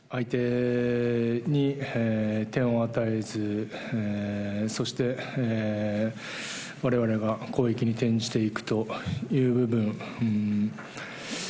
相手に点を与えずそして、我々が攻撃に転じていくという部分。